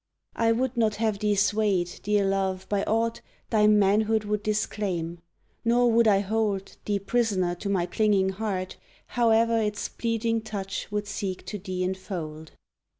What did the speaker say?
I would not have thee swayed, dear love, by aught Thy manhood would disclaim; nor would I hold Thee prisoner to my clinging heart, howe'er Its pleading touch would seek to thee enfold!